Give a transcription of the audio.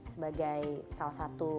sebagai salah satu